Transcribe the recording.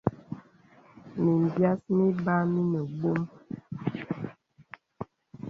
Mìm bìàs mìbàà mìnə bɔ̄m.